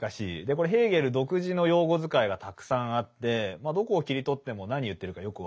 これヘーゲル独自の用語遣いがたくさんあってどこを切り取っても何言ってるかよく分からない。